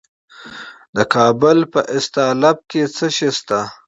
د کابل په استالف کې څه شی شته؟